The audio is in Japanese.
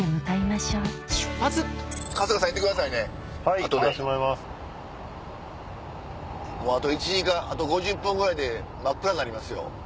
あと１時間あと５０分ぐらいで真っ暗になりますよ。